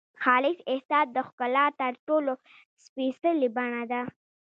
خالص احساس د ښکلا تر ټولو سپېڅلې بڼه ده.